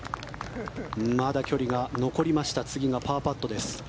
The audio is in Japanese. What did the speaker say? まだ距離が残りました次がパーパットです。